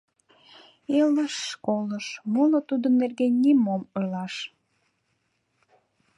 Илыш, колыш, моло тудын нерген нимом ойлаш.